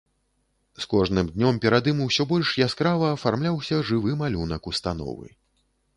З кожным днём перад ім усё больш яскрава афармляўся жывы малюнак установы.